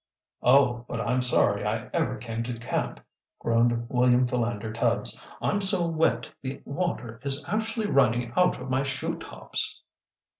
"Oh, but I'm sorry I ever came to camp," groaned William Philander Tubbs. "I'm so wet the water is actually running out of my shoetops!"